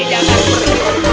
gigi jangan pergi